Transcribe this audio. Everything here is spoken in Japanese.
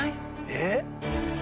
えっ？